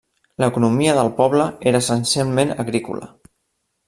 L'economia del poble era essencialment agrícola.